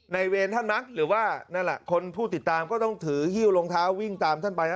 ในเวรท่านมั๊กหรือว่านั่นนั่นแหละเพราะว่าคนผู้ติดตามก็ต้องถือหิวลงเท้าวิ่งตามท่านไป